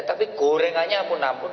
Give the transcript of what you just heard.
tapi gorengannya ampun ampun